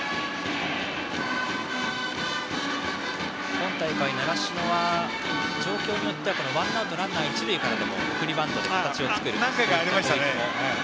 今大会、習志野は状況によってはワンアウトランナー、一塁からでも何回かありましたね。